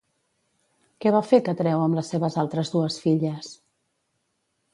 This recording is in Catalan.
Què va fer Catreu amb les seves altres dues filles?